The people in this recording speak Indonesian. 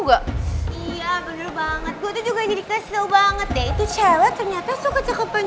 enggak iya bener banget gue tuh juga jadi kasih tahu banget deh itu cewek ternyata suka ceketan